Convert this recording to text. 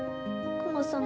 クマさん。